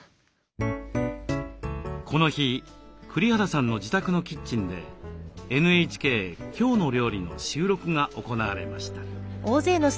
この日栗原さんの自宅のキッチンでＮＨＫ「きょうの料理」の収録が行われました。